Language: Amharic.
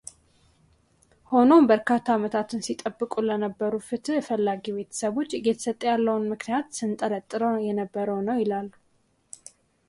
ሆኖም በርካታ ዓመታትን ሲጠብቁ ለነበሩ ፍትህ ፈላጊ ቤተሰቦች እየተሰጠ ያለውን ምክንያት ስንጠረጥረው የነበረ ነው ይላሉ።